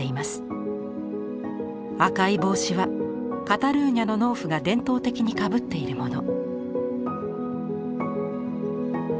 赤い帽子はカタルーニャの農夫が伝統的にかぶっているもの。